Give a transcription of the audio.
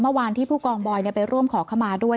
เมื่อวานที่ผู้กองบอยไปร่วมขอขมาด้วย